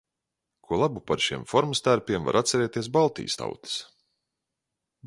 Ko labu par šiem formas tērpiem var atcerēties Baltijas tautas?